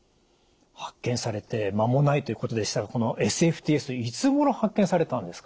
発見されて間もないということでしたがこのＳＦＴＳいつごろ発見されたんですか？